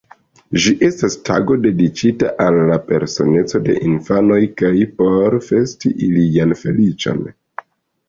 Ĝi estas tago dediĉita al la personeco de infanoj kaj por festi ilian feliĉon.